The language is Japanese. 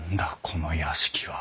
この屋敷は。